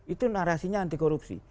itu narasinya anti korupsi